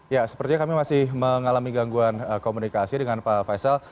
ya sepertinya kami masih mengalami gangguan komunikasi dengan pak faisal